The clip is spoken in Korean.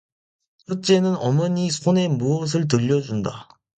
첫째는 어머니 손에 무엇을 들려 준다.